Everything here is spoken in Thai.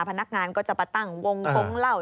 พนักงานก็จะไปตั้งโวงโป๊งเหล้า